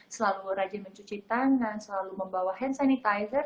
selalu rajin mencuci tangan selalu membawa hand sanitizer